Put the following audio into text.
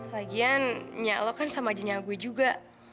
lagian nyiak lo kan sama aja nya gue juga